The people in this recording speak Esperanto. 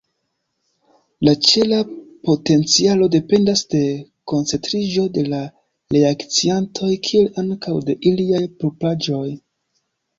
La ĉela potencialo dependas de koncentriĝo de la reakciantoj, kiel ankaŭ de iliaj propraĵoj.